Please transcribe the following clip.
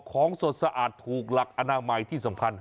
ของสดสะอาดถูกหลักอนามัยที่สำคัญ